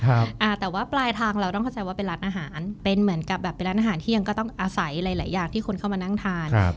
อ่าแต่ว่าปลายทางเราต้องเข้าใจว่าเป็นร้านอาหารเป็นเหมือนกับแบบเป็นร้านอาหารที่ยังก็ต้องอาศัยหลายหลายอย่างที่คนเข้ามานั่งทานครับ